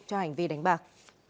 cho hành vi đánh bạc